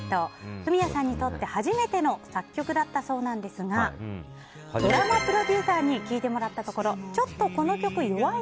フミヤさんにとって初めての作曲だったそうですがドラマプロデューサーに聴いてもらったところ最初？